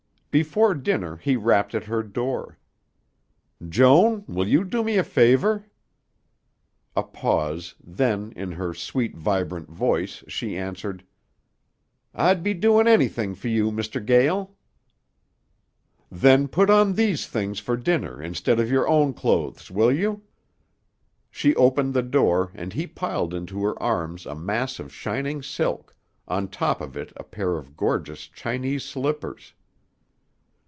Before dinner he rapped at her door. "Joan, will you do me a favor?" A pause, then, in her sweet, vibrant voice, she answered, "I'd be doin' anything fer you, Mr. Gael." "Then, put on these things for dinner instead of your own clothes, will you?" She opened the door and he piled into her arms a mass of shining silk, on top of it a pair of gorgeous Chinese slippers.